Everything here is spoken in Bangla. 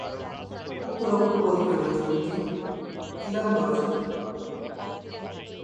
উত্তর ও পূর্ব দিকে রয়েছে দুইটি খিলান দরজা।